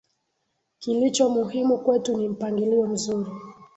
kilicho muhimu kwetu ni mpangilio mzuri